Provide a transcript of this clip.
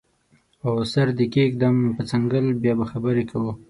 او سر دې کیږدم په څنګل بیا به خبرې کوو